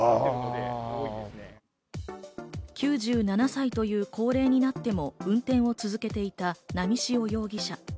９７歳という高齢になっても運転を続けていた波汐容疑者。